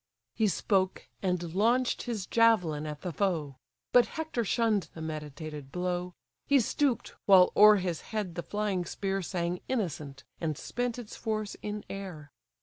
He spoke, and launch'd his javelin at the foe; But Hector shunn'd the meditated blow: He stoop'd, while o'er his head the flying spear Sang innocent, and spent its force in air.